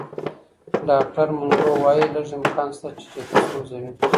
ډاکټر مونرو وايي، لږ امکان شته چې جدي ستونزه وي.